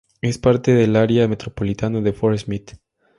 Es parte del área metropolitana de Fort Smith.